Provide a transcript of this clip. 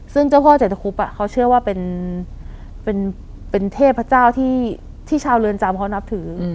ซึ่งเจ้าพ่อเจตคุพอ่ะเขาเชื่อว่าเป็นเป็นเป็นเทพพระเจ้าที่ที่ชาวเรือนจำเขานับถืออืม